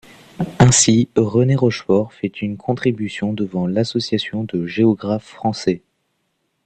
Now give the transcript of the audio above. Ainsi, Renée Rochefort fait une contribution devant l’Association de géographes français.